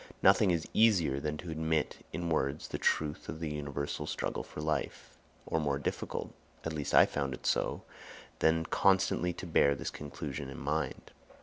Nothing is easier than to admit in words the truth of the universal struggle for life, or more difficult—at least I found it so—than constantly to bear this conclusion in mind.